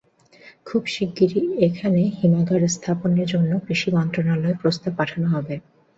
খুব শিগগির এখানে হিমাগার স্থাপনের জন্য কৃষি মন্ত্রণালয়ে প্রস্তাব পাঠানো হবে।